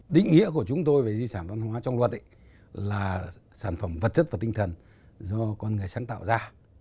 định nghĩa của chúng tôi về di sản văn hóa trong luật là sản phẩm vật chất và tinh thần do con người sáng tạo ra